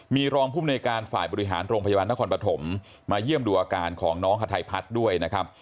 มีรองภูมิในการฝ่ายบริหารโรงพยาบาลนครปฐมมาเยี่ยมดูอาการของน้องฮาไทยพัฒน์ด้วยนะครับ